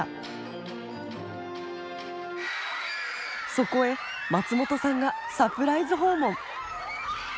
そこへ松本さんがサプライズ訪問。